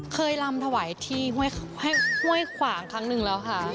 ลำถวายที่ห้วยขวางครั้งหนึ่งแล้วค่ะ